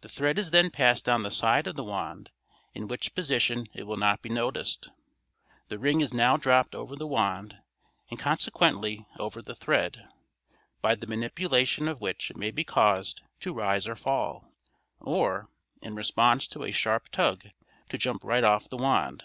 The thread is then passed down the side of the wand, in which position it will not be noticed. The ring is now dropped over the wand, and consequently over the thread, by the manipulation of which it may be caused to rise or fall, or, in response to a sharp tug, to jump right off the wand.